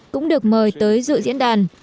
cũng được mời tới dự diễn đàn